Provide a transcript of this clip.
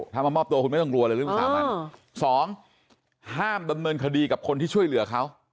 ถ้ามามอบตัวคุณไม่ต้องกลัวเลยเรื่องวิสามันสองห้ามดำเนินคดีกับคนที่ช่วยเหลือเขา